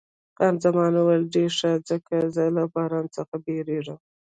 خان زمان وویل، ډېر ښه، ځکه زه له باران څخه بیریږم.